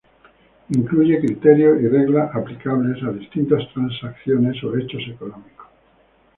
Incluye criterios y reglas aplicables a distintas transacciones o hechos económicos.